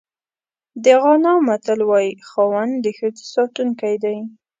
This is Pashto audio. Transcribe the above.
د غانا متل وایي خاوند د ښځې ساتونکی دی.